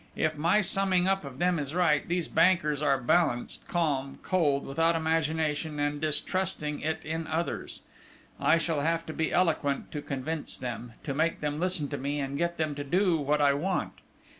If my summing up of them is right, these bankers are balanced, calm, cold, without imagination, and distrusting it in others. I shall have to be eloquent to convince them, to make them listen to me and get them to do what I want.